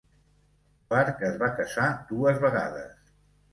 Clark es va casar dues vegades.